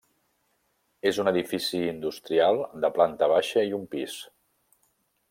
És un edifici industrial de planta baixa i un pis.